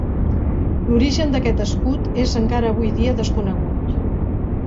L'origen d'aquest escut és, encara avui dia, desconegut.